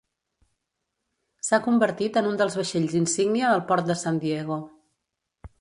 S'ha convertit en un dels vaixells insígnia del port de San Diego.